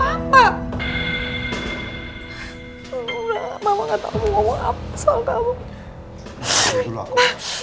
mama gak tau aku mau ngomong sama kamu